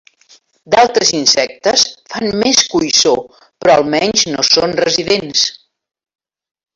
D'altres insectes, fan més coïssor, però almenys no són residents